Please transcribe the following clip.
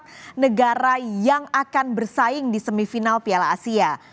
akan meng kolaykan menang cooking seperti teremarkai